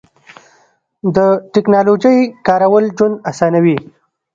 د تکنالوژۍ کارول ژوند اسانوي.